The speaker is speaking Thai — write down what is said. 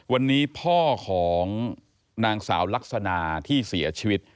วันนี้พ่อของนางสาวลักษณะที่เสียชีวิต